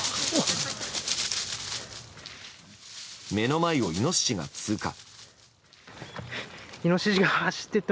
目の前をイノシシが通過。